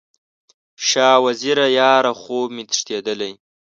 شاه وزیره یاره، خوب مې تښتیدلی